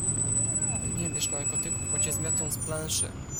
Nie bierz narkotyków, bo cię zmiotą z planszy.